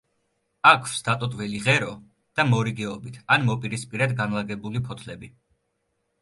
აქვს დატოტვილი ღერო და მორიგეობით ან მოპირისპირედ განლაგებული ფოთლები.